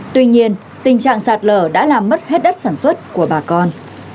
tuy nhiên tình trạng sạt lở đã làm mất hết đất sản xuất của bà con